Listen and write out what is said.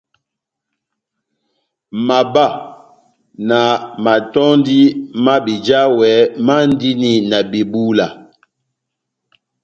Mabá na matɔ́ndi má bejawɛ mandini na bebúla.